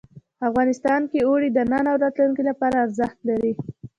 افغانستان کې اوړي د نن او راتلونکي لپاره ارزښت لري.